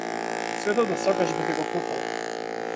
Светот да сакаш би ти го купил.